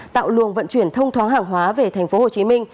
tạo luồng vận chuyển thông thoáng hàng hóa về tp hcm